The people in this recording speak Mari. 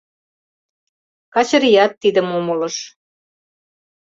Качырият тидым умылыш.